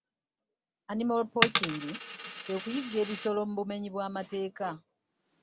Animal poaching kwe kuyigga ebisolo mu bumenyi bw'amateeka.